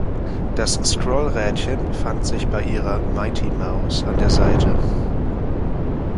Das Scrollrädchen befand sich bei ihrer „Mighty Mouse“ an der Seite.